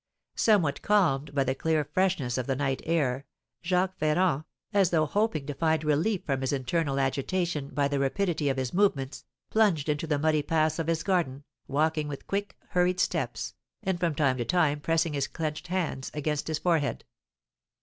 Somewhat calmed by the clear freshness of the night air, Jacques Ferrand, as though hoping to find relief from his internal agitation by the rapidity of his movements, plunged into the muddy paths of his garden, walking with quick, hurried steps, and from time to time pressing his clenched hands against his forehead.